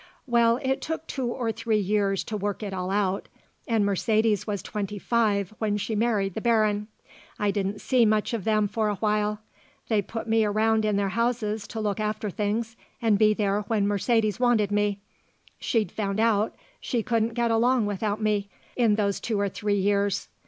Well, it took two or three years to work it all out, and Mercedes was twenty five when she married the Baron. I didn't see much of them for a while. They put me around in their houses to look after things and be there when Mercedes wanted me. She'd found out she couldn't get along without me in those two or three years.